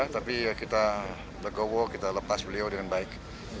tapi kita degowo kita lepas beliau dengan baik